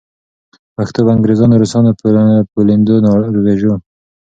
پښتو به انګریزانو، روسانو پولېنډو ناروېژو